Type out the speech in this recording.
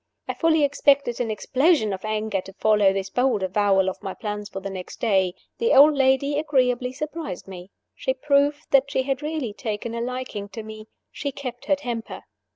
I fully expected an explosion of anger to follow this bold avowal of my plans for the next day. The old lady agreeably surprised me. She proved that she had really taken a liking to me: she kept her temper.